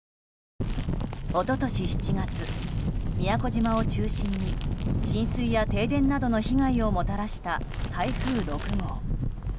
一昨年７月、宮古島を中心に浸水や停電などの被害をもたらした台風６号。